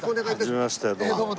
はじめましてどうも。